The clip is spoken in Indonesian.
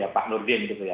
pak nurin gitu ya